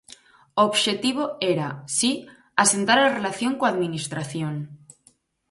O obxectivo era, si, asentar a relación coa administración.